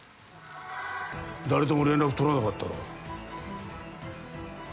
誰とも連絡を取らなかったろ。